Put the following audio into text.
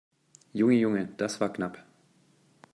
Junge, Junge, das war knapp!